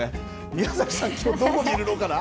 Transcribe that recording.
宮崎さん、きょう、どこにいるのかな。